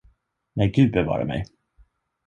Nej, Gud bevare mig!